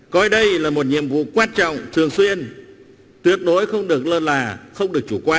coi đây là một nhiệm vụ quan trọng thường xuyên tuyệt đối không được lơ là không được chủ quan